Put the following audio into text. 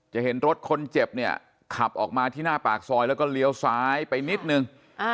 เห็นรถคนเจ็บเนี่ยขับออกมาที่หน้าปากซอยแล้วก็เลี้ยวซ้ายไปนิดนึง